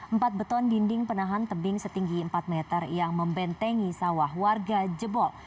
empat beton dinding penahan tebing setinggi empat meter yang membentengi sawah warga jebol